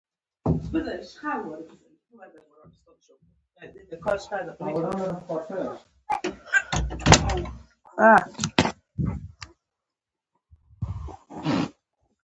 عام خلک باید بهرني اسعار ونه کاروي.